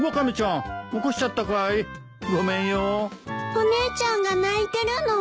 お姉ちゃんが泣いてるの。